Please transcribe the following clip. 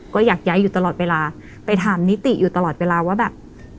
ก็อยากย้ายอยู่ตลอดเวลาไปถามนิติอยู่ตลอดเวลาว่าแบบ